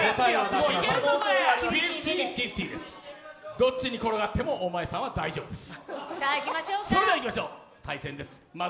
どっちに転がっても大前さんは大丈夫です。